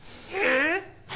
えっ！